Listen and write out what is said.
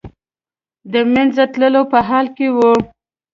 د منځه تللو په حال کې و.